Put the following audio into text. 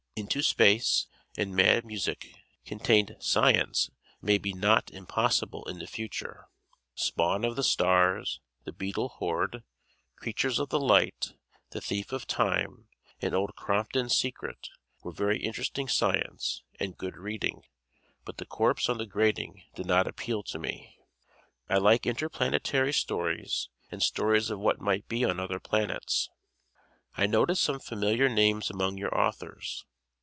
"Into Space" and "Mad Music" contained science maybe not impossible in the future. "Spawn of the Stars," "The Beetle Horde," "Creatures of the Light," "The Thief of Time" and "Old Compton's Secret" were very interesting science, and good reading, but "The Corpse on the Grating" did not appeal to me. I like interplanetary stories and stories of what might be on other planets. I notice some familiar names among your authors.